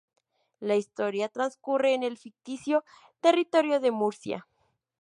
La historia transcurre en el ficticio territorio de Murcia.